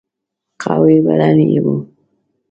قوي بدن یې وو.